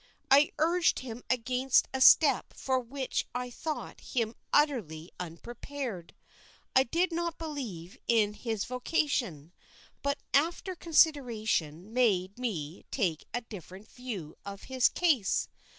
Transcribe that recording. I urged him against a step for which I thought him utterly unprepared. I did not believe in his vocation, but after consideration made me take a different view of his case.